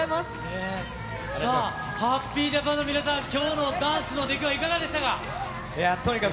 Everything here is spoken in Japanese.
さあ、ハッピージャパンの皆さん、きょうのダンスの出来はいかがでしたか？